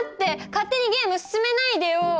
勝手にゲーム進めないでよ！